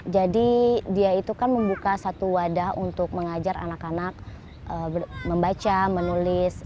jadi dia itu kan membuka satu wadah untuk mengajar anak anak membaca menulis